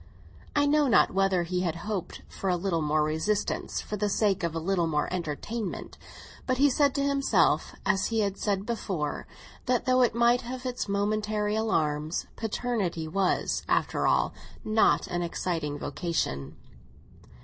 I know not whether he had hoped for a little more resistance for the sake of a little more entertainment; but he said to himself, as he had said before, that though it might have its momentary alarms, paternity was, after all, not an exciting vocation.